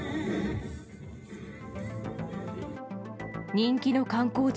人気の観光地